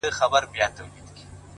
څومره بلند دی _